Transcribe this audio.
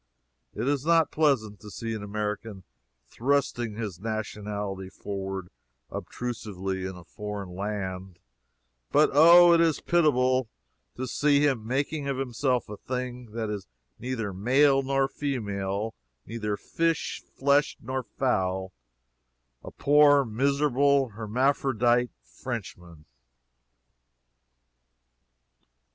It is not pleasant to see an American thrusting his nationality forward obtrusively in a foreign land, but Oh, it is pitiable to see him making of himself a thing that is neither male nor female, neither fish, flesh, nor fowl a poor, miserable, hermaphrodite Frenchman!